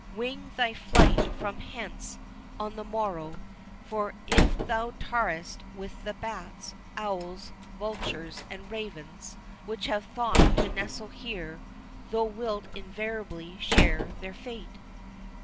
Wing thy flight from hence on the morrow, for if thou tarriest with the bats, owls, vultures and ravens, which have thought to nestle here, thou wilt inevitably share their fate.